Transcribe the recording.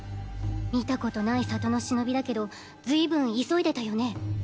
見たことない里の忍だけどずいぶん急いでたよね。